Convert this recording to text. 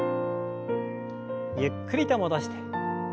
ゆっくりと戻して。